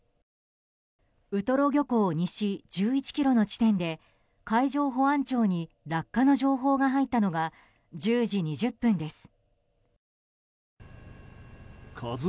ウトロ漁港西１１ｋｍの地点で海上保安庁に落下の情報が入ったのが１０時２０分です。